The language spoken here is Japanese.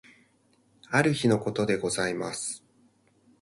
ある日のことでございます。